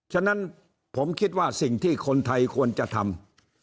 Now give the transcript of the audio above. ฉะนั้นผมคิดว่าสิ่งที่คนไทยควรจะทำ